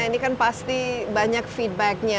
ini kan pasti banyak feedbacknya